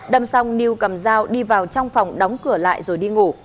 đâm xong lưu cầm dao đi vào trong phòng đóng cửa lại rồi đi ngủ